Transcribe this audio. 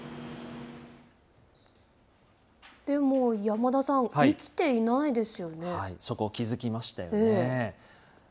山田さん、そこ、気付きましたよね。